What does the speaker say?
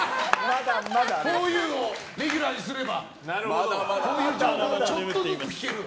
ふぉゆをレギュラーにすればこういう情報もちょっとずつ聞けると。